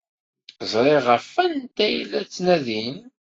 Ẓriɣ ɣef wanta ay la ttnadin.